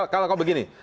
kalau kok begini